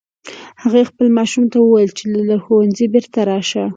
هغې خپل ماشوم ته وویل چې له ښوونځي بیرته راشه